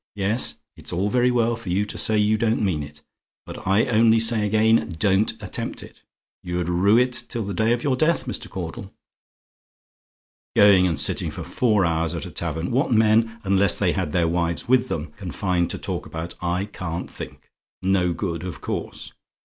Yes it's all very well for you to say you don't mean it, but I only say again, don't attempt it. You'd rue it till the day of your death, Mr. Caudle. "Going and sitting for four hours at a tavern! What men, unless they had their wives with them, can find to talk about, I can't think. No good, of course.